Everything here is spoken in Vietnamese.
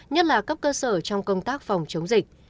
nhất là cấp cơ sở trong công tác phòng chống dịch